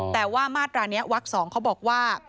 แต่ว่ามาตรานี้วัก๒เขาบอกว่า